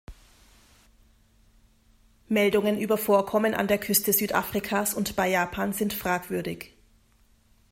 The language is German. Meldungen über Vorkommen an der Küste Südafrikas und bei Japan sind fragwürdig.